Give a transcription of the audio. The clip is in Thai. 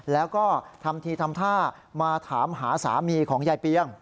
แล้วก็ทำทีทำท่ามาถามหาสามีของยายเปียง